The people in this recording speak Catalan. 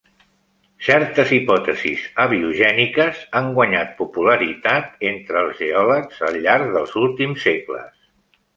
Certes hipòtesis abiogèniques han guanyat popularitat entre els geòlegs al llarg dels últims segles.